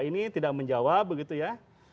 ini tidak menjawab begitu ya